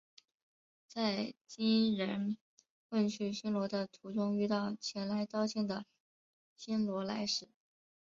在金仁问去新罗的途中遇到前来道歉的新罗来使。